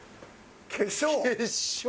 『化粧』。